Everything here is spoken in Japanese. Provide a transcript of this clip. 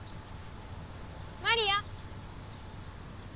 マリア！